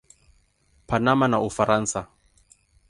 Panama na Ufaransa.